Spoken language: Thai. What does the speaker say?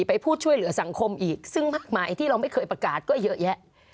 ไปพูดช่วยเหลือสังคมอีกซึ่งมากมายที่เราไม่เคยประกาศก็เยอะแยะ